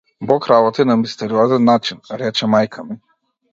Бог работи на мистериозен начин, рече мајка ми.